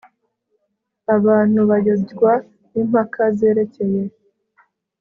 abantu bayobywa n'impaka zerekeye